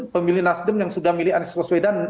pemilih nasdem yang sudah milih anies waswedan